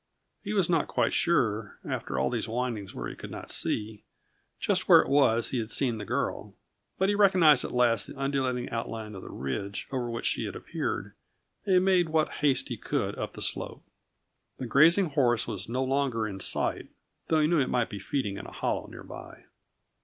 He was not quite sure, after all those windings where he could not see, just where it was he had seen the girl, but he recognized at last the undulating outline of the ridge over which she had appeared, and made what haste he could up the slope. The grazing horse was no longer in sight, though he knew it might be feeding in a hollow near by.